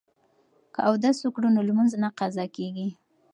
که اودس وکړو نو لمونځ نه قضا کیږي.